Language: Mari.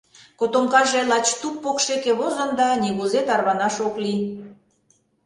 Котомкаже лач туп покшеке возын да нигузе тарванаш ок лий.